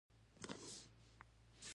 ټولټال شپږ سوه کسان اټکل شوي وو